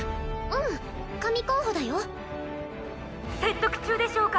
うん神候補だよ説得中でしょうか？